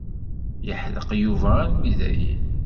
Yeḥdeq Yuba armi dayen.